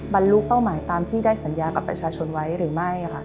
บรรลุเป้าหมายตามที่ได้สัญญากับประชาชนไว้หรือไม่